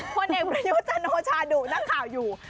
คนเอกนายกจันโนชาดุนักข่าวอยู่